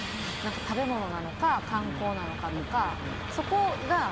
食べ物なのか、観光なのかとか。